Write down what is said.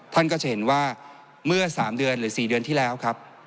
ท่านก็จะเห็นว่าเมื่อ๓เดือนหรือ๔เดือนที่แล้วครับ